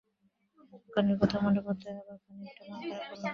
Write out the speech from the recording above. গানের কথা মনে পড়তেই আবার খানিকটা মন-খারাপ হল।